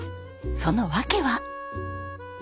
その訳は？